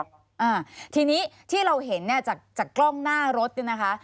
อ่าทีนี้ที่เราเห็นเนี่ยจากจากกล้องหน้ารถเนี่ยนะคะ